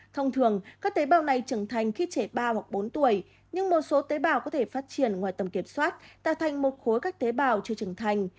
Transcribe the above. thông thường các tế bào này trưởng thành khi trẻ ba hoặc bốn tuổi nhưng một số tế bào có thể phát triển ngoài tầm kiểm soát tạo thành một khối các tế bào chưa trưởng thành